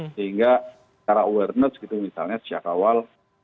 sehingga secara awareness gitu misalnya sejak awal